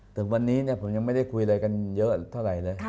ถึงวันนี้ผมยังไม่ได้คุยอะไรกันเยอะเท่าไหร่เลย